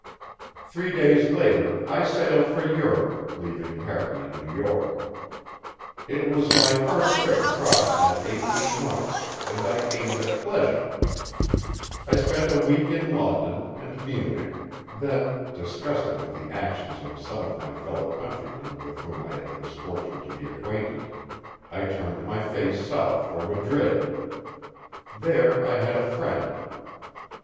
Three days later I sailed for Europe, leaving Harry in New York. It was my first trip across in eighteen months, and I aimed at pleasure. I spent a week in London and Munich, then, disgusted with the actions of some of my fellow countrymen with whom I had the misfortune to be acquainted, I turned my face south for Madrid. There I had a friend.